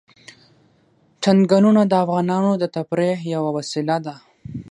چنګلونه د افغانانو د تفریح یوه وسیله ده.